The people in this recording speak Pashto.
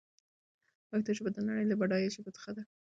پښتو ژبه د نړۍ له بډايو ژبو څخه ده.